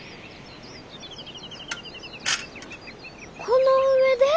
この上で？